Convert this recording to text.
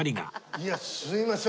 いやすいません